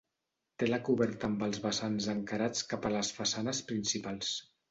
Té la coberta amb els vessants encarats cap a les façanes principals.